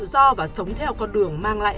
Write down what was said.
do và sống theo con đường mang lại